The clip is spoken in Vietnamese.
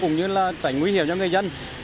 cũng như là tẩy nguy hiểm cho người dân